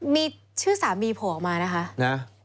มีชื่อสามีโผล่ออกมานะคะ